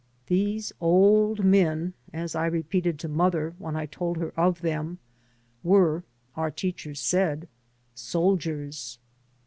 These old men (as I re peated to mother when I told her of them) were, our teachers said, soldiers.